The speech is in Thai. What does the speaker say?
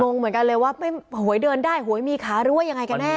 งงเหมือนกันเลยว่าหวยเดินได้หวยมีขาหรือว่ายังไงกันแน่